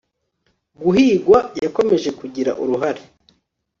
guhigwa yakomeje kugira uruhare